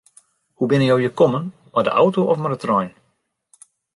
Hoe binne jo hjir kommen, mei de auto of mei de trein?